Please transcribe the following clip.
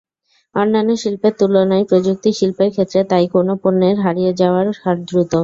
অন্যান্য শিল্পের তুলনায় প্রযুক্তিশিল্পের ক্ষেত্রে তাই কোনো পণ্যের হারিয়ে যাওয়ার হার দ্রুত।